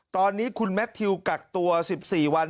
ตอนนี้คุณแมททิวกักตัว๑๔วัน